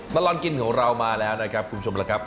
มะรอนกินของเรามาแล้วนะครับ